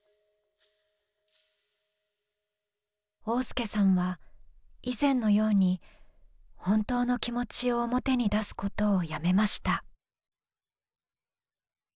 旺亮さんは以前のように本当の気持ちを表に出すことをやめました。